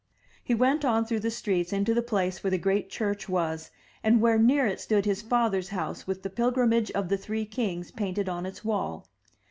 *' He went on through the streets into the place where the great church was, and where near it stood his father's house with the Pilgrimage of the Three Kings painted on its wall.